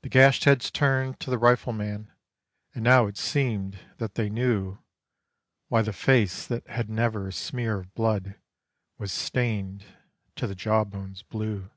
The gashed heads turned to the Rifleman, and now it seemed that they knew Why the face that had never a smear of blood was stained to the jawbones blue.